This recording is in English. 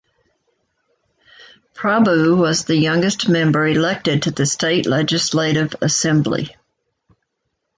Prabhu was the youngest member elected to the State Legislative Assembly.